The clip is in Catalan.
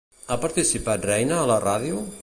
Ha participat Reyna a la ràdio?